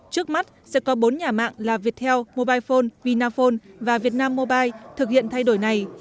trước mắt sẽ có bốn nhà mạng là viettel mobile phone vinaphone và vietnam mobile thực hiện thay đổi này